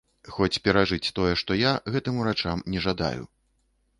Хоць перажыць тое, што я, гэтым урачам не жадаю.